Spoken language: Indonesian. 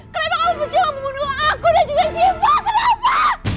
kenapa kamu mencoba membunuh aku dan juga siva kenapa